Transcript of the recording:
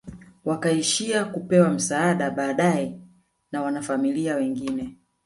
Wakaishia kupewa msaada baadae na wanafamilia wengine